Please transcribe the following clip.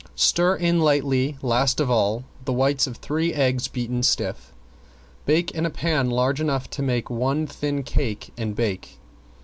Stir in lightly last of all the whites of three eggs beaten stiff. Bake in a pan large enough to make one thin cake and bake.